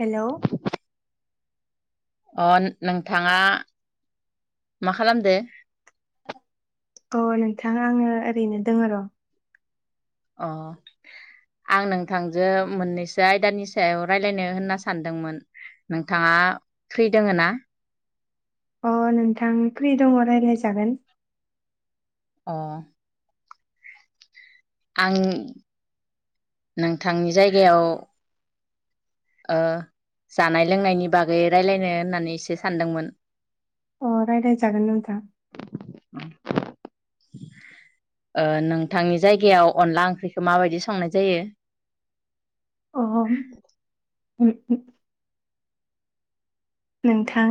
Hello. अ नोंथाङा मा खालामदो? अ नोंथां आङो ओरैनो दङ र' अ आं नोंथांजो मोननैसो आयदानि सायाव रायज्लायनो होनना सानदोंमोन नोंथाङा फ्रि दोङ ना। अ नोंथां फ्रि दङ राय्लाय जागोन। अ। आं नोंथांनि जायगायाव जानाय लोंनायनि बागै रायलायनो होननानै एसे सानदोंमोन अ रायज्लाय जागोन नोंथा। ओ नोंथांनि जायगायाव अनला ओंख्रिखौ माबायदि संनाय जायो। अ अ। [unintelligible] नोंथां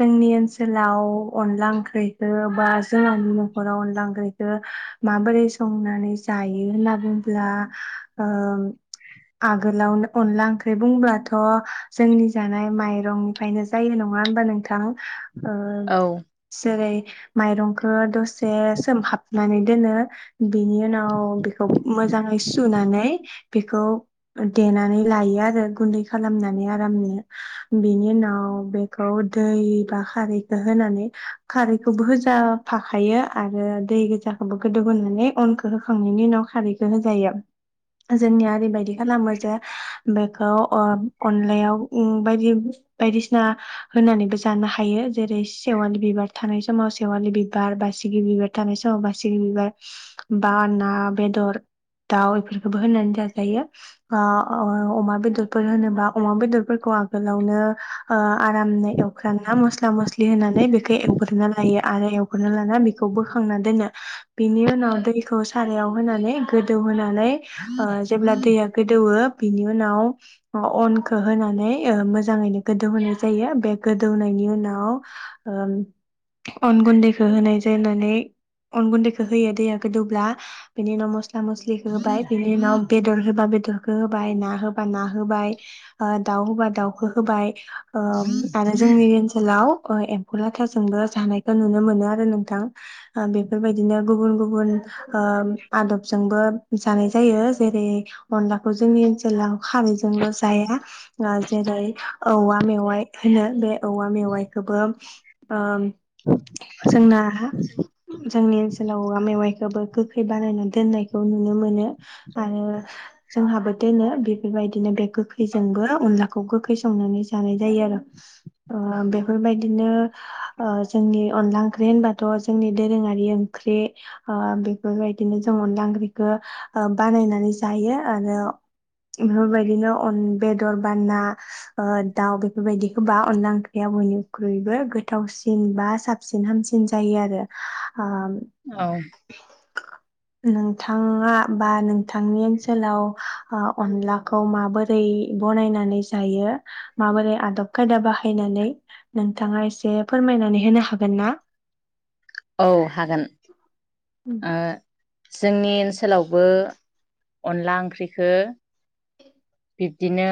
जोंनि ओनसोलाव अनला ओंख्रिखौ बा जोंहानि न'खराव अनला ओंख्रिखौ माबोरै संनानै जायो होनना बुङोब्ला आगोलावनो अनला ओंख्रि बुंब्लाथ' जोंनि जानाय माइरं ओमफ्रायनो जायो नङा होमबा नोंथां ओ औ जेरै माइरं दसे सोमहाब नानै दोनो। बिनि उनाव बेखौ मोजाङै सुनानै बेखौ देनानै लायो आरो गुन्दै खालामनानै आरामनो बेनि उनाव बेखौ दै बा खारैखौ होनानै खारैखौबो होजाफाखायो आरो दै गोजाखौबो गोदौ होनोनानै अनखौ होखांनायनि उनाव खारैखौ होजायो जोंनिया ओरैबायदि खालामो जे बेखौ अनलायाव बायदि बायदिसिना होनानैबो जानो हायो जेरै सेवालि बिबार थानाय समाव सेवालि बिबार बारसिगि बिबार थानाय समाव बारसिगि बिबार बा ना बेदर दाउ बेफोरखौबो होनानै जाजायो अमा बेदरफोर होनोबा अमा बेदरफोरखौ आगोलावनो आरामनो एवख्राना मस्ला मस्लि होनानै बेखौ एवग्रोना लायो आरो एवग्रोनना लाना बेखौ बोखांना दोनो बिनि उनाव दैखौ सारायाव होनानै गोदौहोनानै जेब्ला दैया गोदौओ बिनि उनाव अनखौ होनानै मोजाङैनो गोदौ होनोनाय जायो बे गोदौनायनि उनाव अन गुन्दैखौ होनाय जानानै अन गुन्दैखौ होयो दैया गोदौब्ला बेनि उनाव मसला मस्लि होबाय बिनि उनाव बेदर होबा बेदर खौ होबाय ना होबा ना होबाय दाउ होबा दाउखौ होबाय [inaudible] अआरो जोंनि ओनसोलाव एम्फौ लाथाजोंबो जानायखौ नुनो मोनो आरो नोंथां बेफोरबायदिनो गुबुन गुबुन आदबजोंबो जानाय जायो जेरै अनलाखौ जोंनि ओनसोलाव खारैजोंल' जाया। आ जेरै औवा मेवाइ होनो बे औवा मेवाइखौबो जोंना जोंनि ओनसोलाव औवा मेवाइखौबो गोखै बानायनानै दोननायखौ नुनो मोनो आरो जोंहाबो दोनो बेफोरबायदिनो बे गोखैजोंबो अनलाखौ गोखै संनानै जानाय जायो आरो बेफोरबायदिनो जोंनि अनला ओंख्रि होनबाथ' जोंनि दोरोङारि ओंख्रि बेफोरबायदिनो जों अनला ओंख्रिखौ बानायनानै जायो आरो। बेफोरबायदिनो अन बे दर बा ना ओ दाउ बेफोरबायदिखौ बा अनला ओंख्रिया बयनिख्रुइबो गोथावसिन बा साबसिन हामसिन जायो आरो आम औ नोंथाङा बा नोंथांनि ओनसोलाव ओ अनलाखौ माबोरै बनायनानै जायो? माबोरै आदब खायदा बाहायनानै नोंथाङा एसे फोरमायनानै होनो हागोन ना? औ हागोन ओ जोंनि ओनसोलावबो अनला ओंख्रिखौ बिदिनो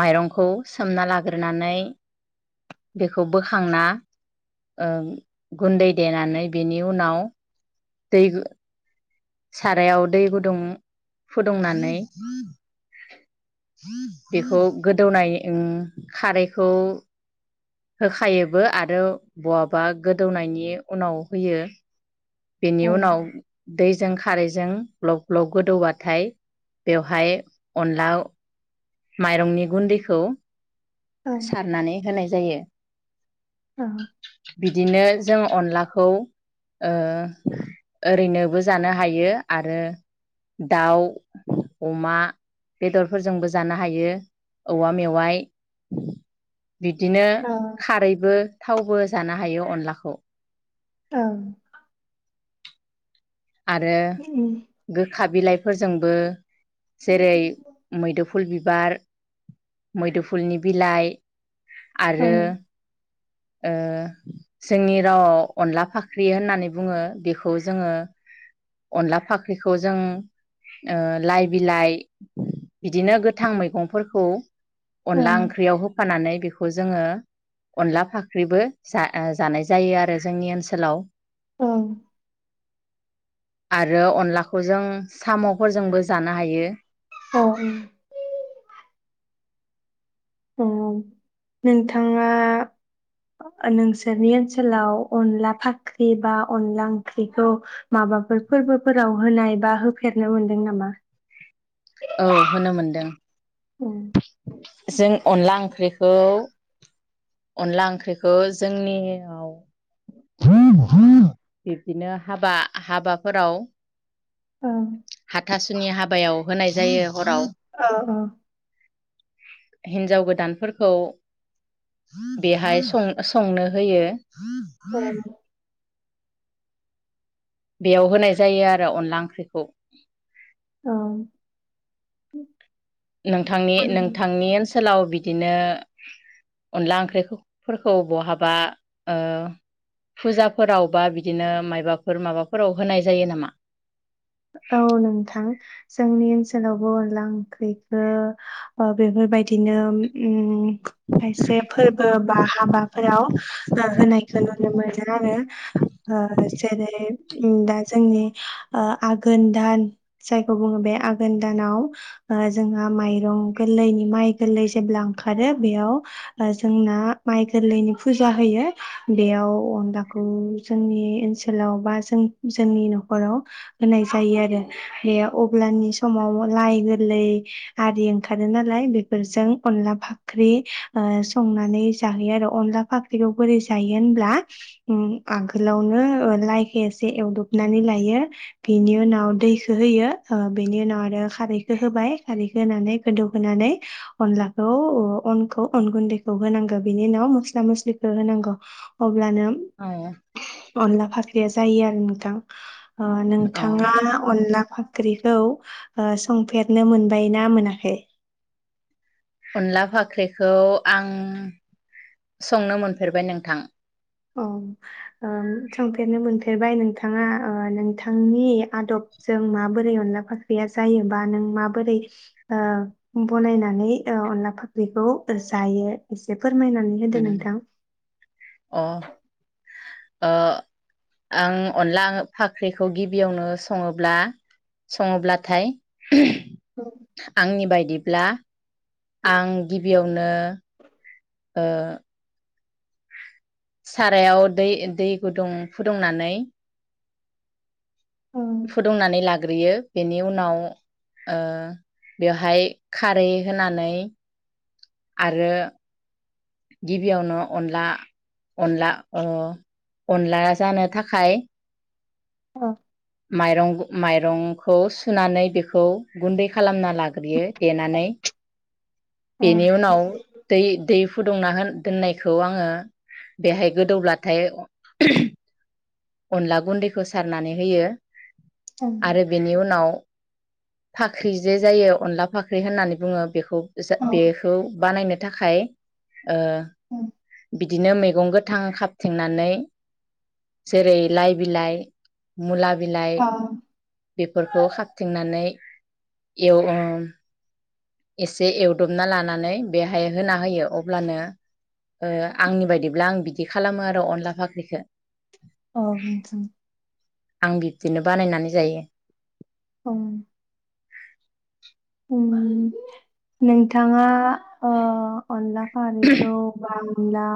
माइरंखौ सोमना लाग्रोनानै बेखौ बोखांना ओ गुन्दै देनानै बेनि उनाव दै सारायाव दै गुदुं फुदुंनानै बेखौ गोदौनाय ओम खारैखौ होखायोबो आरो बहाबा गोदौनायनि उनाव होयो बेनि औ उनाव दैजों खारैजों ग्लब ग्लब गोदौबाथाय बेवहाय अनला माइरंनि गुन्दैखौ औ सारनानै होनाय जायो। औ बिदिनो जों अनलाखौ ओ ओरैनोबो जानो हायो आरो दाउ अमा बेदरफोरजोंबो जानो हायो औवा मेवाइ बिदिनो औ खारैबो थावबो जानो हायो अनलाखौ ओं आरो गोखा बिलाइफोरजोंबो जेरै- मैदोफु फुल बिबार मैदुफुलनि बिलाइ आरो ओ जोंनि रावआव अनला फाख्रि होननानै बुङो बेखौ जोङो अनला फाख्रिखौ जों ओ लाइ बिलाइ बिदिनो गोथां मैगंफोरखौ औ अनला ओंख्रियाव होफानानै बेखौ जोङो अनला फाख्रिबो जा जानाय जायो आरो जोंनि ओनसोलाव औ आरो अनलाखौ जों साम'फोरजोंबो जानो हायो औ ओम ओम नोंथाङा नोंसोरनि ओनसोलाव अनला फाख्रि बा अनला ओंख्रिखौ माबाफोर फोरबोफोराव होनाय बा होफेरनो मोनदों नामा? औ होनो मोनदों। जों अनला ओंख्रिखौ अनला ओंख्रिखौ जोंनियाव बिब्दिनो हाबा हाबाफोराव औ हाथासुनि हाबायाव होनाय जायो हराव ओ अ हिनजाव गोदानफोरखौ बेहाय संनो होयो। औ बेयाव होनाय जायो आरो अनला ओंख्रिखौ औ नोंथांनि नोंथांनि ओनसोल ओनसोलाव बिदिनो अनला ओंख्रिफोरखौ बहाबा फुजाफोराव बा बिदिनो मबाफोर माबाफोराव होनाय जायो नामा? औ नोंथां जोंनि ओनसोलावबो अनला ओंख्रैखौ बेफोरबायदिनो खायसे फोरबोबा हाबाफोराव होनायखौ नुनो मोनो आरो जेरै दा जोंनि ओ आघोन दान जायखौ बुङो बे आघोन दानाव जोंहा माइरं गोरलैनि माइ गोरलै जेब्ला ओंखारो बेयाव जोंना माइ गोरलैनि फुजा होयो बेयाव अनलाखौ जोंनि ओनसोलाव बा जों जोंनि न'खराव होनाय जायो आरो। बे अब्लानि समाव लाइ गोरलै आरि ओंखारो नालाय बेफोरजों अनला फाख्रि संनानै जाहोयो आरो अनला फाख्रिखौ बोरै जायो होनब्ला उम आगोलावनो लाइखौ एसे एवदबनानै लायो। बेनि उनाव दैखो होयो बेनि उनाव आरो खारैखौ होबाय खारैखौ होनानै गोदौहोनानै अनलाखौ अनखौ अन गुन्दैखौ होनांगौ बेनि उनाव मस्ला मस्लिखौ होनांगौ अ अब्लानो औ अनला फाख दे जायो आरो नोंथां। ओ नों अ बिथाङा अनला फाख ख्रिखौ संफेरनो मोनबाय ना मोनाखै? अनला फाख्रिखौ आं संनो मोनफेरबाय नोंथां औ संफेरनो मोनफेरबाय नोंथाङा नोंथांनि आदबजों माबोरै अनला फाख्रिया जायोबा नों माबोरै बनायनानै अनला फाख्रिखौ जायो एसे फोरमायनानै होदो उम नोंथां अ ओ अनला फाख्रिखौ गिबियावनो सङोब्ला सङोब्लाथाय औ आंनि बाय दिब्ला आं गिबियावनो ओ सारायाव दै दै गुदुं फुदुंनानै फुदुंनानै लाग्रोयो बेनि उनाव बेवहाय खारै होनानै आरो गिबियावनो अनला अनला अनला जानो थाखाय। औ माइरं माइरंखौ सुनानै बेखौ गुन्दै खालामना लाग्रोयो देनानै औ बेनि उनाव दै दै फुद दुंना दोननायखौ आङो बेहाय गोदौब्लाथाय अनला गुन्दैखौ सारनानै होयो। आरो बेनि उनाव फाख्रि जे जायो अनला फाख्रि होननानै बुङो बेखौ जा बेखौ बानायनो थाखाय ओ बिदिनो मैगं गोथां खाबथेंनानै जेरै लाइ बिलाइ मुला बिलाइ बेफोरखौ खाबथेंनानै एव ओ एसे एवदबना लानानै बेहाय होना होयो अब्लानो आंनि बायदिब्ला आं बिदि खालामो आरो अनला फाख्रिखौ। औ नोंथां। आं बिब्दिनो बानायनानै जायो। अ। ओं नोंथाङा ओ अनला खारिखौ [unintelligible] अनला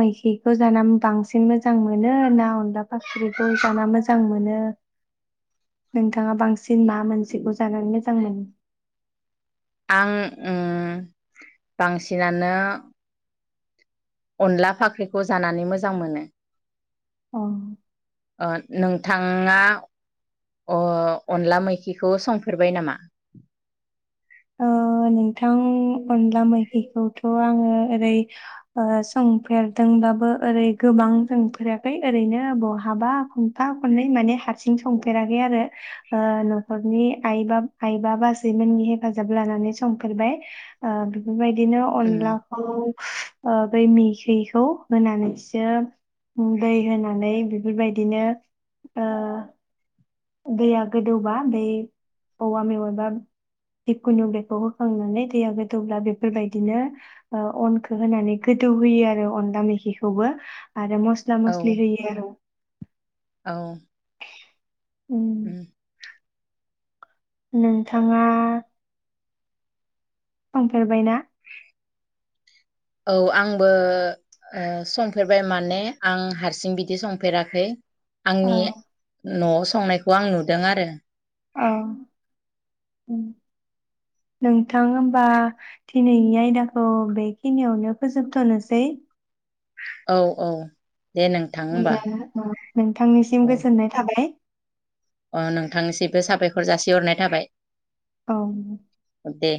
मैखिखौ जाना बांसिन मोजां मोनो ना अनला फाख्रिखौ जाना मोजां मोनो नोंथाङा बांसिन मा मोनसेखौ जानानै मोजां मोनो? आं ओ बांसिनानो अनला फाख्रिखौ जानानै मोजां मोनो। औ। ओ नोंथाङा अ- अनला मैखिखौ संफेरबाय नामा? ओ नोंथां अनला मैखिखौथ' आङो ओरै ओ संफेरदोंबाबो ओरै गोबां संफेराखै ओरैनो बहाबा खनफा खननै माने हारसिं संफेराखै आरो ओ न'खरनि आइब आइबा बाजैमोननि हेफाजाब लानानै संफेरबाय ओ [unintelligible] बेबायदिनो उम अनलाखौ ओ बै मैखिइखौ होनानैसो दै होनानै बेबायदिनो ओ दैया गोदौबा बै औवा मेवाइ एबा दिखुनिउ बेखौ होखांनानै दैया गोदौब्ला बेफोरबायदिनो ओ अनखौ होनानै गोदौहोयो आरो अनला मेखिखौबो। आरो मस्ला औ -मसलि होयो आरो औ। उम ओम। नोंथाङा संफेरबायना? औ आंबो ओ संफेरबाय माने आं हारसिं बिदि संफेराखै। औ आंनि न'आव संनायखौ आं नुदों आरो। औ ओम नोंथां होमबा दिनैनि आयदाखौ बेखिनियावनो फोजोबथ'नोसै। औ औ। दे नोंथां होमबा [unintelligible] नोंथांनिसिम औ गोजोननाय थाबाय। अ नोंथांनिसिबो साबायखर जासिहरनाय थाबाय। औ। दे।